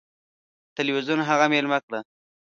تلویزیون هغه میلمنه کړه.